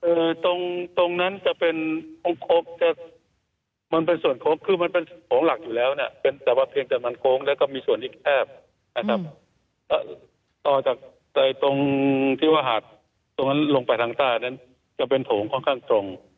ตรงตรงนั้นจะเป็นโค้งโค้งจะมันเป็นส่วนโค้งคือมันเป็นโถงหลักอยู่แล้วเนี่ยเป็นแต่ว่าเพียงแต่มันโค้งแล้วก็มีส่วนอีกแคบนะครับต่อจากตรงที่ว่าหากตรงนั้นลงไปทางใต้นั้นจะเป็นโถงค่อนข้างตรง